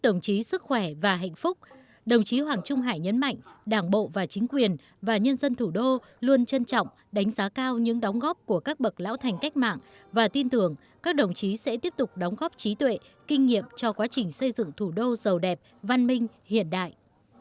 đồng chí hoàng trung hải nhấn mạnh đảng bộ và chính quyền và nhân dân thủ đô luôn trân trọng đánh giá cao những đóng góp của các bậc lão thành cách mạng và tin tưởng các đồng chí sẽ tiếp tục đóng góp trí tuệ kinh nghiệm cho quá trình xây dựng thủ đô sầu đẹp văn minh hiện đại